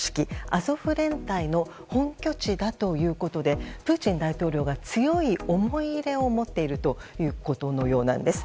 アゾフ連隊の本拠地だということでプーチン大統領が強い思い入れを持っているということのようです。